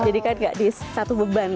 jadi kan gak disatu beban